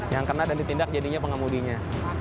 yang kena dan ditindak jadinya pengemudinya